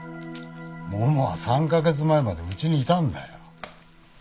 ももは３カ月前までうちにいたんだよ。